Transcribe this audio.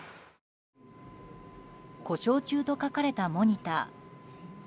故障中と書かれたモニター。